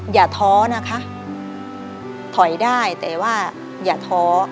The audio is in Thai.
อย่าท้อนะคะถอยได้แต่ว่าอย่าท้อ